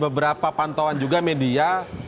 beberapa pantauan juga media